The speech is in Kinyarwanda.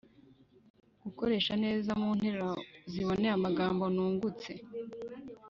gukoresha neza mu nteruro ziboneye amagambo nungutse.